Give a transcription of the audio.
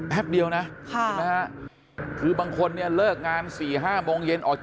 แป๊บเดียวนะค่ะเห็นมั้ยฮะคือบางคนเนี่ยเลิกงานสี่ห้าโมงเย็น